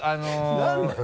何なの？